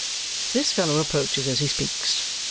This fellow approaches as he speaks.